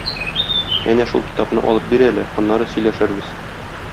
Әнә шул китапны алып бир әле, аннары сөйләшербез.